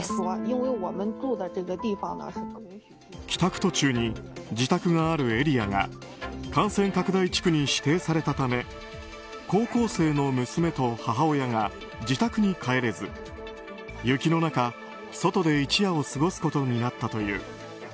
帰宅途中に自宅があるエリアが感染拡大地区に指定されたため高校生の娘と母親が自宅に帰れず雪の中、外で一夜を過ごすことになったという。